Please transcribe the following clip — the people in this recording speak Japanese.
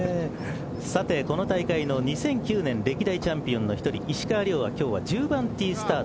この大会の２００９年歴代チャンピオンの１人石川遼は今日は１０番ティースタート。